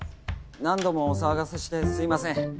何度もお騒がせしてすいません。